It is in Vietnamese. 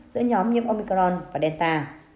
giữa nhóm nhiễm omicron và delta